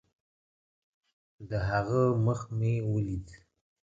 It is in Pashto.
د هغه مخ مې وليد.